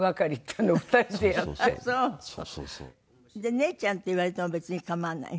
「姉ちゃん」って言われても別に構わない？